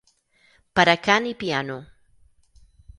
Per a cant i piano.